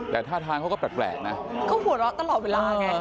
แต่ท่าทางเขาก็แปลกนะเขาหัวเราะตลอดเวลาไง